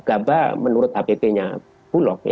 gabah menurut app nya bulog